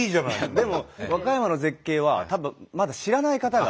でも和歌山の絶景はたぶんまだ知らない方が。